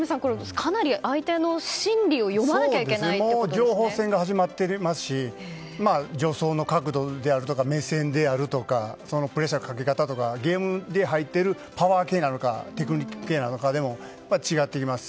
かなり相手の心理を読まなきゃいけないって情報戦が始まっていますし助走の角度とか目線であるとかプレッシャーのかけ方とかパワー系なのかテクニック系なのかでも違ってきます。